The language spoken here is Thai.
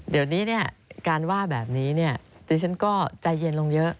เดี๋ยวนี้การว่าแบบนี้ดิฉันก็ใจเย็นลงเยอะ